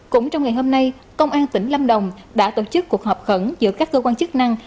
cũng trong ngày hôm nay công an tỉnh lâm đồng đã tổ chức cuộc họp khẩn giữa các cơ quan chức năng